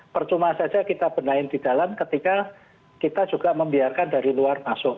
percuma saja kita benahin di dalam ketika kita juga membiarkan dari luar masuk